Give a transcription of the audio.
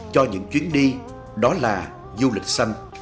cho những chuyến đi đó là du lịch xanh